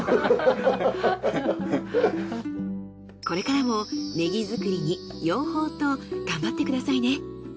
これからもねぎ作りに養蜂と頑張ってくださいね。